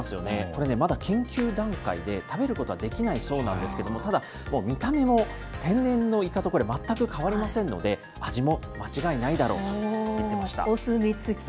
これ、まだ研究段階で食べることはできないそうなんですけれども、ただ、見た目も天然のイカと全く変わりませんので、味も間違いなお墨付き？